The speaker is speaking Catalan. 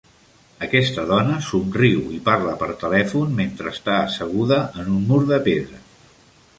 Aquesta dona somriu i parla per telèfon mentre està asseguda en un mur de pedra.